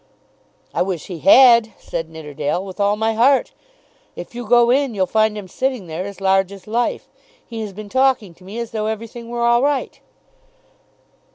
"I wish he had," said Nidderdale, "with all my heart. If you go in you'll find him sitting there as large as life. He has been talking to me as though everything were all right."